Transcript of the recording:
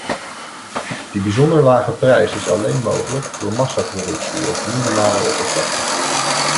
Die bijzonder lage prijs is alleen mogelijk door massaproductie op minimale oppervlakte.